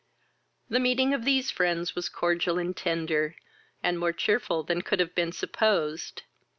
The meeting of these friends was cordial and tender, and more cheerful than could have been supposed.